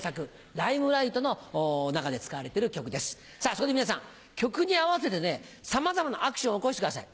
そこで皆さん曲に合わせてさまざまなアクションを起こしてください。